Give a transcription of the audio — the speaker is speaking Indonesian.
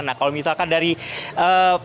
nah kalau misalkan dari para penjaga